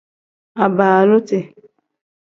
Abaaluti.